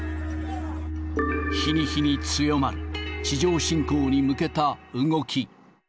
日に日に強まる地上侵攻に向けた動き。